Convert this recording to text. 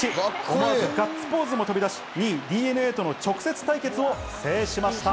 思わずガッツポーズも飛び出し、２位ＤｅＮＡとの直接対決を制しました。